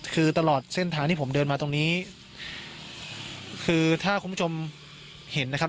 คือตลอดเส้นทางที่ผมเดินมาตรงนี้คือถ้าคุณผู้ชมเห็นนะครับ